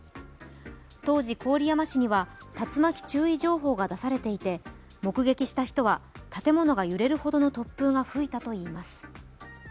当時、郡山市には竜巻注意情報が出されていて目撃した人は、建物が揺れるほどの突風が吹いたといいます。